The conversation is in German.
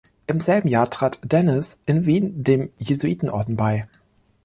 Im selben Jahr trat Denis in Wien dem Jesuitenorden bei.